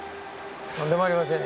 とんでもありません。